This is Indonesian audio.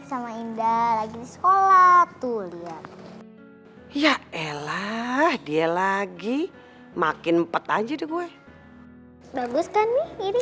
sama indah lagi di sekolah tuh lihat ya elah dia lagi makin empet aja gue bagus kan nih ini